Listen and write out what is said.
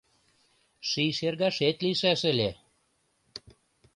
Ший шергашет лийшаш ыле;